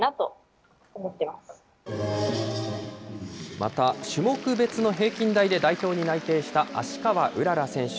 また種目別の平均台で代表に内定した芦川うらら選手。